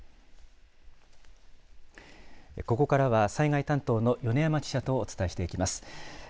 ここからは災害担当の米山記者とお伝えしていきます。